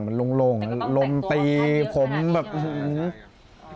มาโล่งลมตีผมแบบยิง